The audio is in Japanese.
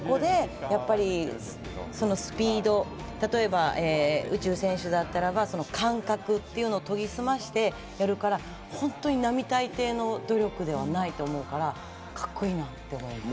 で、そこでスピード、例えば宇宙選手だったらば感覚を研ぎ澄ませてやるから本当に並大抵の努力ではないと思うからカッコいいなって思います。